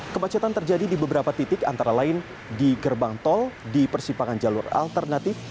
kemacetan terjadi di beberapa titik antara lain di gerbang tol di persimpangan jalur alternatif